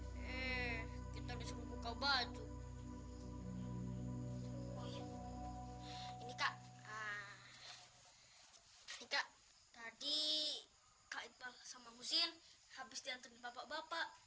hai eh kita disuruh buka baju oh ya ini kak kak tadi kak itbal sama musim habis diantar bapak bapak